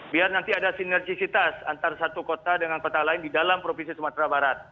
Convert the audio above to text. biar nanti ada sinergisitas antara satu kota dengan kota lain di dalam provinsi sumatera barat